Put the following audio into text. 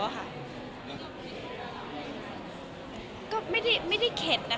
ก็ไม่ได้ที่เก็ตนะคะ